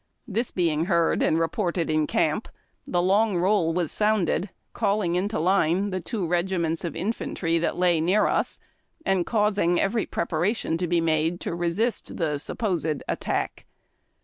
This being heard and reported in camp, the long roll was sounded, calling into line the two regiments of infantry that lay near us, and FORAGING. 245 causing every preparation to be made to resist tlie supposed attack.